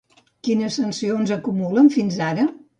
Quines sancions acumulen fins ara?